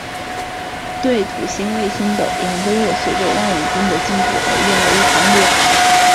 对土星卫星的研究也随着望远镜的进步而越来越方便。